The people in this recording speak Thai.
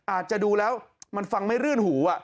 อาจจะดูแล้วมันฟังไม่รื่นหู